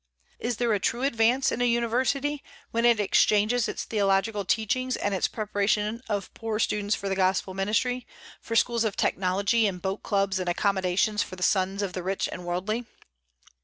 Is there a true advance in a university, when it exchanges its theological teachings and its preparation of poor students for the Gospel Ministry, for Schools of Technology and boat clubs and accommodations for the sons of the rich and worldly?